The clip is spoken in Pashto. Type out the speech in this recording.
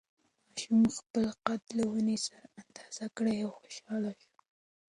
ماشوم خپل قد له ونې سره اندازه کړ او خوشحاله شو.